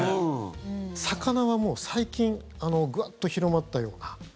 魚はもう最近ぐわっと広まったような。